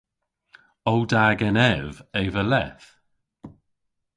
O da genev eva leth?